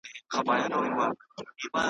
زر په اور کي هم نه خرابېږي .